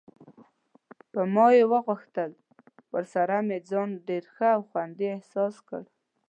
په ما یې واغوستل، ورسره مې ځان ډېر ښه او خوندي احساس کړ.